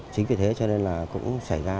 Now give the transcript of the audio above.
chính vì thế cho nên là cũng xảy ra